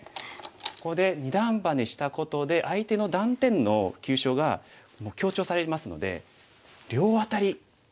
ここで二段バネしたことで相手の断点の急所が強調されますので両アタリ